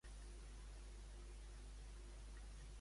I què va passar amb Hermafrodit?